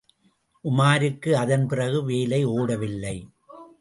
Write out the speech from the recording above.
உமாருக்கு அதன் பிறகு வேலை ஒடவில்லை.